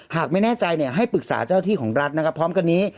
หากไม่แน่ใจให้ปรึกษาเจ้าที่ของรัฐนะครับพร้อมกันนี้